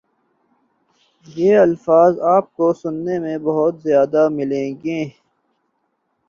یہ الفاظ آپ کو سنے میں بہت زیادہ ملیں گے